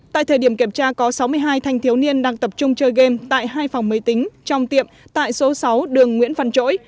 tại thời điểm kiểm tra có sáu mươi hai thanh thiếu niên đang tập trung chơi game tại hai phòng máy tính trong tiệm tại số sáu đường nguyễn văn trỗi